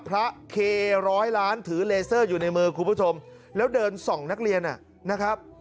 เคร้อยล้านถือเลเซอร์อยู่ในมือคุณผู้ชมแล้วเดินส่องนักเรียนนะครับ